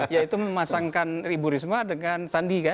yaitu memasangkan ibu risma dengan sandi kan